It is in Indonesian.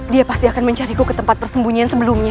dia pasti akan mencariku ke tempat persembunyian sebelumnya